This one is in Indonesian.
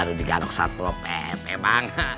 baru digaruk saplol pepe bang